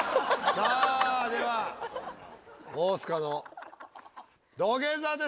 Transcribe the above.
さあでは大須賀の土下座です。